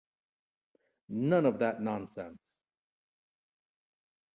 None of that nonsense!